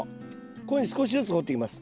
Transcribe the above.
こういうふうに少しずつ掘っていきます。